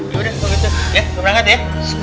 yaudah kalau gitu ya semangat ya